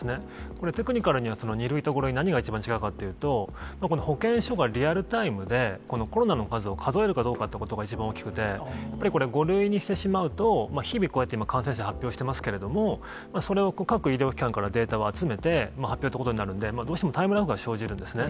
これ、テクニカルには、２類と５類何が一番違うかというと、保健所がリアルタイムでこのコロナの数を数えるかどうかということが一番大きくて、やっぱりこれ、５類にしてしまうと、日々、こうやって今、感染者、発表してますけれども、それを各医療機関からデータを集めて、発表ということになるので、どうしてもタイムラグが生じるんですね。